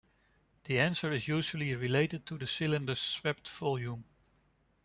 The answer is usually related to the cylinder's swept volume.